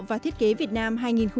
và thiết kế việt nam hai nghìn hai mươi